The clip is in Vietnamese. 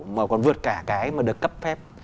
mà còn vượt cả cái mà được cấp phép